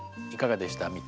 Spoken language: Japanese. いかがでした？